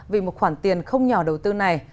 vì một khoản tiền không nhỏ đầu tư này